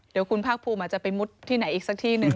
เดี๋ยวคุณภาคภูมิอาจจะไปมุดที่ไหนอีกสักที่หนึ่ง